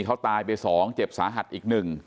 เขาตายไปสองเจ็บสาหัสอีกหนึ่ง